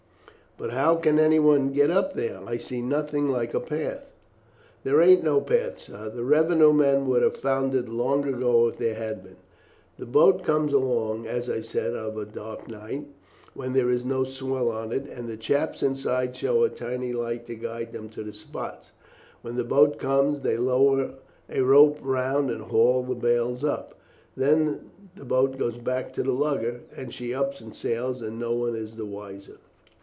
"But how can anyone get up there? I see nothing like a path." "There ain't no path, sir. The revenue men would have found it out long ago if there had been. The boat comes along, as I said, of a dark night, when there is no swell on, and the chaps inside show a tiny light to guide them to the spot. When the boat comes, they lower a rope down and haul the bales up; and then the boat goes back to the lugger, and she ups sail, and no one is the wiser."